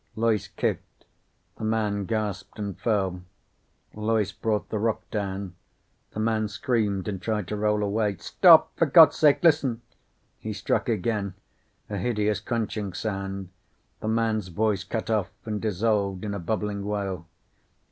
Loyce kicked. The man gasped and fell. Loyce brought the rock down. The man screamed and tried to roll away. "Stop! For God's sake listen " He struck again. A hideous crunching sound. The man's voice cut off and dissolved in a bubbling wail.